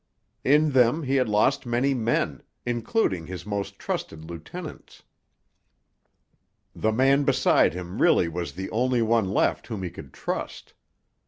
In them he had lost many men, including his most trusted lieutenants. The man beside him really was the only one left whom he could trust.